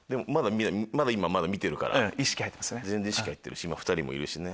まだ今見てるから意識入ってる２人もいるしね。